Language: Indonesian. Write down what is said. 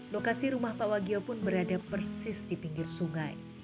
lokasi rumah pak wagio pun berada persis di pinggir sungai